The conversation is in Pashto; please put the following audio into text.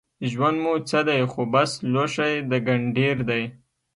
ژوند مو څه دی خو بس لوښی د ګنډېر دی